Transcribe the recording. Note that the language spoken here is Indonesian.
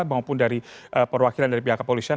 maupun dari perwakilan dari pihak kepolisian